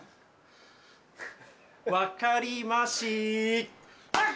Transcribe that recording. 分かりましたっ！